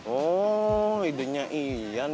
oh idenya iyan